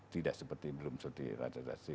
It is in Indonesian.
tidak seperti belum seperti rata rata